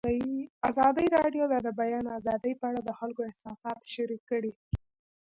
ازادي راډیو د د بیان آزادي په اړه د خلکو احساسات شریک کړي.